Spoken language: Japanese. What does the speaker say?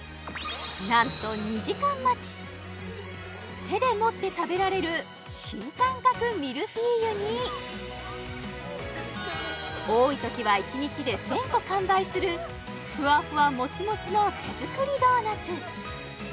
なんと２時間待ち手で持って食べられる新感覚ミルフィーユに多いときは１日で１０００個完売するふわふわもちもちの手作りドーナツ